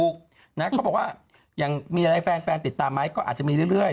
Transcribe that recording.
เขาบอกว่ายังมีอะไรให้แฟนติดตามไหมก็อาจจะมีเรื่อย